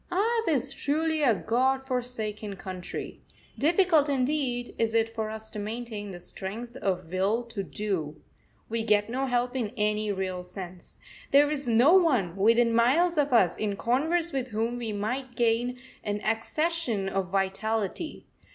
Ours is truly a God forsaken country. Difficult, indeed, is it for us to maintain the strength of will to do. We get no help in any real sense. There is no one, within miles of us, in converse with whom we might gain an accession of vitality.